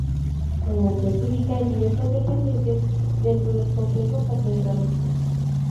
El museo se ubica en diversas dependencias dentro del complejo catedralicio.